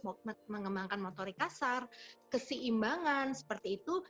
mengembangkan motorik kasar keseimbangan seperti itu